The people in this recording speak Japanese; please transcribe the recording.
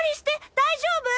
大丈夫？